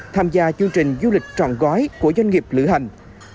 tham gia chương trình du lịch trọn gói của doanh nghiệp lửa hành